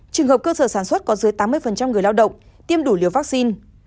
trường hợp cơ sở sản xuất có dưới tám mươi người lao động tiêm đủ liều vaccine